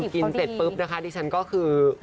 เสร็จปุ๊บนะคะดิฉันก็คือ